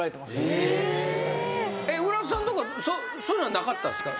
浦田さんとかはそういうのはなかったんすか？